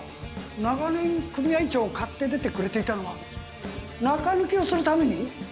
長年組合長を買って出てくれていたのは中抜きをするために！？